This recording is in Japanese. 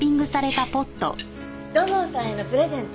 土門さんへのプレゼント。